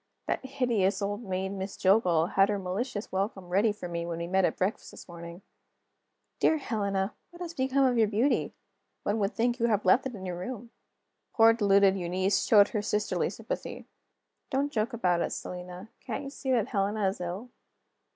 That hideous old maid, Miss Jillgall, had her malicious welcome ready for me when we met at breakfast this morning: "Dear Helena, what has become of your beauty? One would think you had left it in your room!" Poor deluded Eunice showed her sisterly sympathy: "Don't joke about it, Selina: can't you see that Helena is ill?"